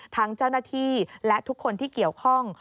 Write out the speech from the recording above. ทั้งเจ้าหน้าที่และทุกคนที่เกี่ยวข้อง